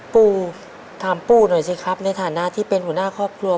ปูถามปู่หน่อยสิครับในฐานะที่เป็นหัวหน้าครอบครัว